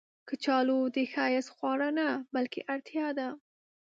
کچالو د ښایست خواړه نه، بلکې اړتیا ده